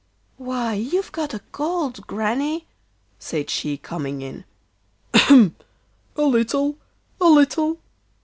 'Why, you've got a cold, Granny,' said she, coming in. 'Ahem! a little, a little...